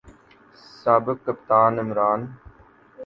سابق کپتان عمران